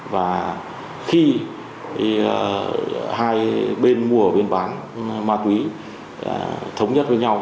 và khi hai bên mua bên bán ma túy thống nhất với nhau